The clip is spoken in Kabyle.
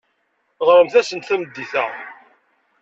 Ɣremt-asent tameddit-a.